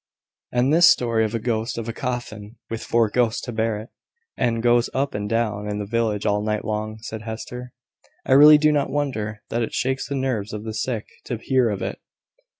"And this story of a ghost of a coffin, with four ghosts to bear it, that goes up and down in the village all night long," said Hester, "I really do not wonder that it shakes the nerves of the sick to hear of it.